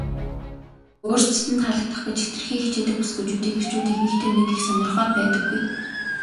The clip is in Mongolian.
өөрсдөд нь таалагдах гэж хэтэрхий хичээдэг бүсгүйчүүдийг эрчүүд ихэнхдээ нэг их сонирхоод байдаггүй.